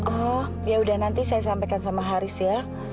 oh yaudah nanti saya sampaikan sama haris ya